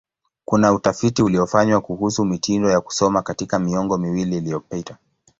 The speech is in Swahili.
Kuna utafiti uliofanywa kuhusu mitindo ya kusoma katika miongo miwili iliyopita.